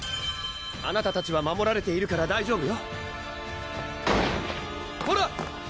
あなたたちは守られているから大丈夫よコラ！